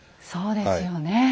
そうですよね。